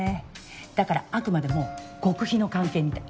だからあくまでも極秘の関係みたい。